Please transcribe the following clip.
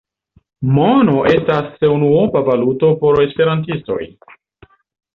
Mono estas unuopa valuto por esperantistoj.